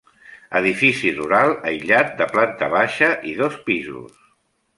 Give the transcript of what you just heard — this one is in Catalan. Edifici rural aïllat de planta baixa i dos pisos.